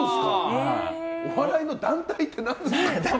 お笑いの団体って何ですか？